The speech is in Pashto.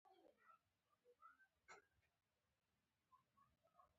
روغتیا ته پام د زړه روغتیا تضمینوي.